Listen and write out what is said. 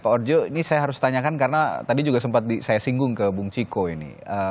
pak orjo ini saya harus tanyakan karena tadi juga sempat saya singgung ke bung ciko ini